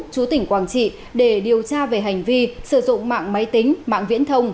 chú tỉnh quảng trị để điều tra về hành vi sử dụng mạng máy tính mạng viễn thông